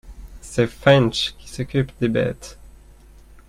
C'est Fañch qui s'occupe des bêtes.